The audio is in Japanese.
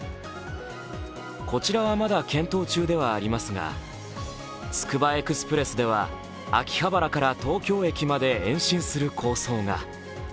こちらはまだ検討中ではありますが、つくばエクスプレスでは秋葉原から東京駅まで延伸する構想が。